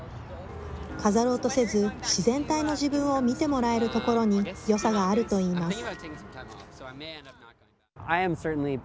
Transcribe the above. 飾ろうとせず自然体の自分を見てもらえるところによさがあるといいます。